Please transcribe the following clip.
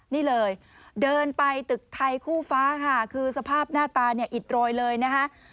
นี่เลยเดินไปตึกไทยคู่ฟ้าค่ะคือสภาพหน้าตาเนี่ยอิดโรยเลยนะคะ